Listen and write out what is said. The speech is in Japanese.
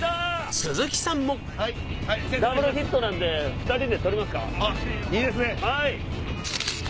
ダブルヒットなんで２人で撮りますか。